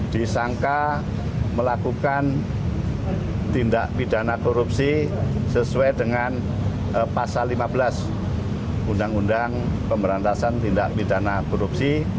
disangka melakukan tindak pidana korupsi sesuai dengan pasal lima belas undang undang pemberantasan tindak pidana korupsi